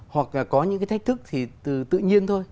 hoặc là có những cái thách thức thì từ tự nhiên thôi